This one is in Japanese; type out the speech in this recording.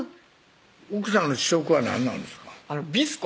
奥さんの主食は何なんですか？